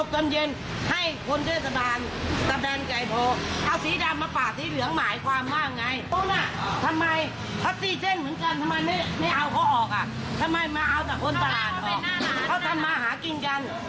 คนตลาดออกเขาทำมาหากินกัน